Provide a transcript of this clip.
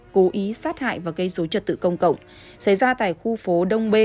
cố ý sát hại và gây dối trật tự công cộng xảy ra tại khu phố đông b